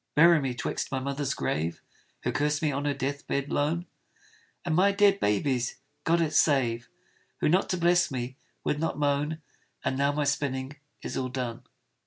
Bury me 'twixt my mother's grave, (Who cursed me on her death bed lone) And my dead baby's (God it save!) Who, not to bless me, would not moan. And now my spinning is all done.